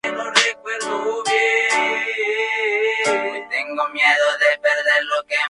El aeropuerto tuvo una capacidad de doce millones de pasajeros al año.